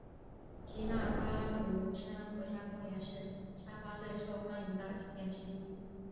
基纳巴卢山国家公园是沙巴最受欢迎的景点之一。